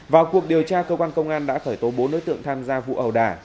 vào cuộc điều tra cơ quan công an đã khởi tố bốn đối tượng tham gia vụ ẩu đả